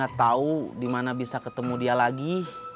saya tidak tahu dimana bisa ketemu dia lagi